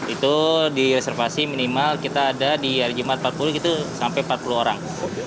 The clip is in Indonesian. itu direservasi minimal kita ada di hari jumat empat puluh itu sampai empat puluh orang